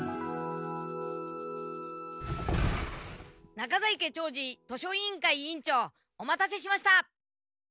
中在家長次図書委員会委員長お待たせしました。